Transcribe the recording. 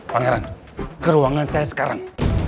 pangeran ke ruangan saya sekarang